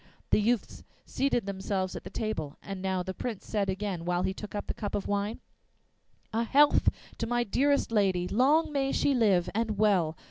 The youths seated themselves at the table; and now the Prince said again, while he took up the cup of wine: 'A health to my dearest lady, Long may she live and well!